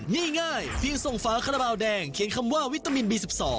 นี่ง่ายเพียงส่งฝาคาราบาลแดงเขียนคำว่าวิตามินบี๑๒